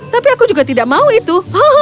tapi aku juga tidak mau itu